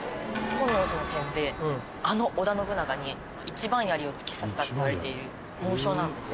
本能寺の変であの織田信長に一番槍を突き刺したといわれている猛将なんですよ。